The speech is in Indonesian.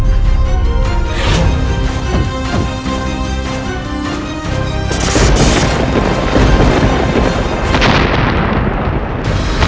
kau buat itu